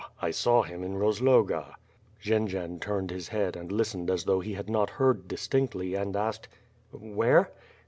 I saw him in Kozloga." Jendzian turned his head and listened as though he had not heard distinctly, and asked: "Where?''